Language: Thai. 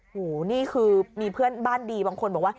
หูนี่คือมีเพื่อนบ้านดีบางคนบอกว่า